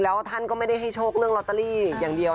แล้วท่านก็ไม่ได้ให้โชคเรื่องลอตเตอรี่อย่างเดียว